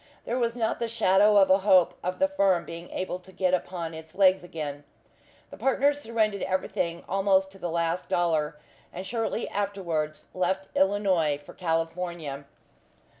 There was not the shadow of a hope of the firm being able to get upon its legs again. The partners surrendered everything almost to the last dollar, and shortly afterwards left Illinois for California.